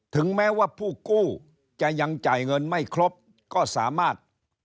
ถึงแม้ว่าผู้กู้จะยังจ่ายเงินไม่ครบก็สามารถ